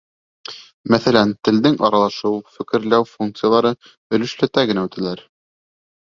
Мәҫәлән, телдең аралашыу, фекерләү функциялары өлөшләтә генә үтәлә.